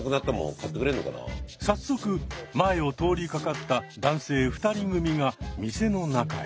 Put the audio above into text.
早速前を通りかかった男性２人組が店の中へ。